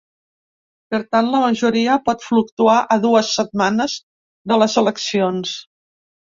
Per tant, la majoria pot fluctuar a dues setmanes de les eleccions.